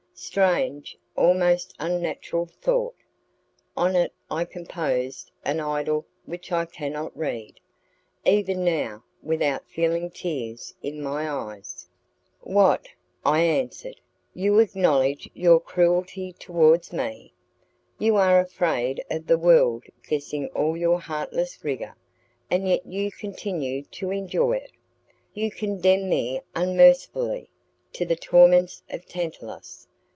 Strange, almost unnatural thought! On it I composed an idyll which I cannot read, even now, without feeling tears in my eyes. "What!" I answered, "you acknowledge your cruelty towards me? You are afraid of the world guessing all your heartless rigour, and yet you continue to enjoy it! You condemn me unmercifully to the torments of Tantalus!